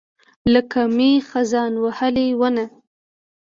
لکه مئ، خزان وهلې ونه